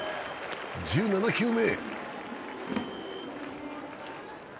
１７球目。